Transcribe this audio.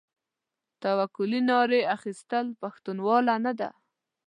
توکلې ناړې اخيستل؛ پښتنواله نه ده.